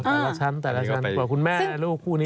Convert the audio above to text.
แต่ละชั้นกว่าคุณแม่และลูกคู่นี้